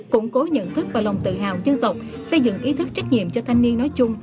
củng cố nhận thức và lòng tự hào dân tộc xây dựng ý thức trách nhiệm cho thanh niên nói chung